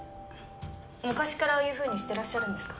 昔からああいうふうにしてらっしゃるんですか？